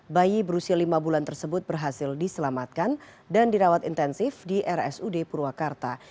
bayi berusia lima bulan tersebut berhasil diselamatkan dan dirawat intensif di rsud purwakarta